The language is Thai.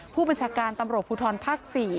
ผู้บัญชาการตำรวจภูทรภาค๔